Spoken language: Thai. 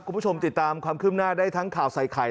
คุณผู้ชมติดตามความคืบหน้าได้ทั้งข่าวใส่ไข่